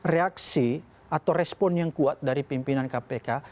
reaksi atau respon yang kuat dari pimpinan kpk